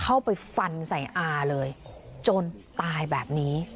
เข้าไปฟันใส่อาเลยจนตายแบบนี้